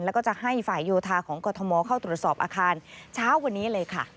แล้วก็จะให้ฝ่ายโยธาของกรทมเข้าตรวจสอบอาคารเช้าวันนี้เลยค่ะ